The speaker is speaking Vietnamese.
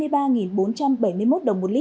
giá xăng ron chín mươi năm bán lẻ giữ nguyên